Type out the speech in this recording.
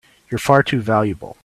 You're far too valuable!